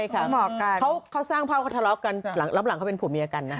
ใช่ค่ะเขาสร้างเผาทะเลาะกันหลับหลังเขาเป็นผู้เมียกันนะ